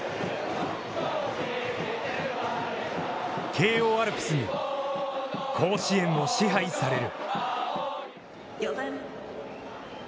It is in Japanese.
慶応アルプスに甲子園を支配される。